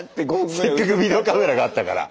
せっかくビデオカメラがあったから。